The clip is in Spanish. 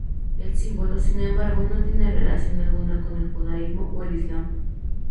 El símbolo, sin embargo, no tiene relación alguna con el judaísmo o el islam.